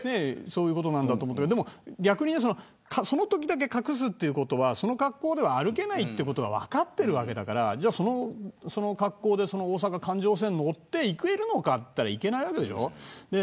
でも逆にそのときだけ隠すということはその格好では歩けないということが分かってるわけだからその格好で大阪の環状線に乗って行けるのかといったら行けないわけでしょ。